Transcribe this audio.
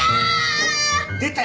出た！